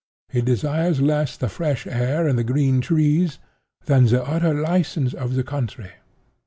He desires less the fresh air and the green trees, than the utter license of the country.